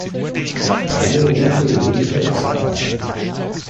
Beide Rufe lehnte er ab.